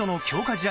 試合